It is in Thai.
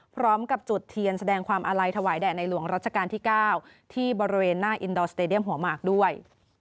พร้อมกับจุดเทียนแสดงความอาลัยถวายแด่ในหลวงรัชกาลที่๙ที่บริเวณหน้าอินดอร์สเตดียมหัวหมากด้วย